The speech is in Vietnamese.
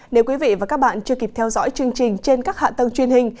nếu quý vị và các bạn chưa kịp theo dõi chương trình trên các hạ tầng truyền hình